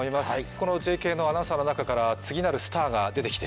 このアナウンサーの中から次なるスターが出てきて